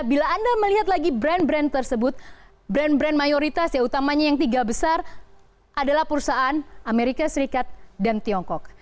bila anda melihat lagi brand brand tersebut brand brand mayoritas ya utamanya yang tiga besar adalah perusahaan amerika serikat dan tiongkok